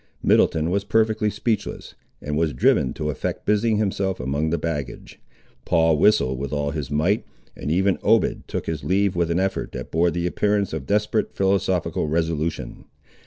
Middleton was perfectly speechless, and was driven to affect busying himself among the baggage. Paul whistled with all his might, and even Obed took his leave with an effort that bore the appearance of desperate philosophical resolution.